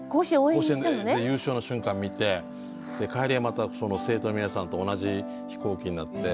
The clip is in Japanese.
甲子園で優勝の瞬間見て帰りはまたその生徒の皆さんと同じ飛行機になって。